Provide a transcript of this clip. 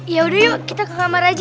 yaudah yuk kita ke kamar aja